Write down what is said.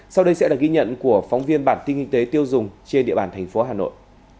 sau đây sẽ là ghi nhận của phóng viên bản tin kinh tế tiêu dùng trên địa bàn thành phố hà nội